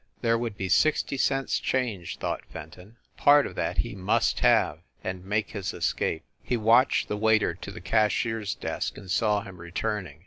There would be sixty cents change, thought Fen ton. Part of that he must have and make his escape. He watched the waiter to the cashier s desk and saw him returning.